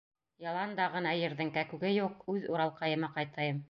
— Ялан да ғына ерҙең кәкүге юҡ, үҙ Уралҡайыма ҡайтайым.